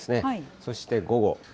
そして午後。